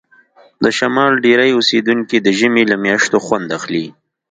د شمال ډیری اوسیدونکي د ژمي له میاشتو خوند اخلي